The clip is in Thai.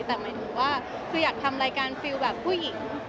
แต่หมายถึงว่าคืออยากทำรายการฟิลแบบผู้หญิง